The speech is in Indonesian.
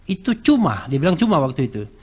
itu cuma dia bilang cuma waktu itu